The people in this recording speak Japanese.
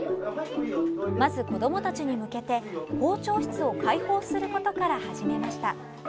まず、子どもたちに向けて校長室を開放することから始めました。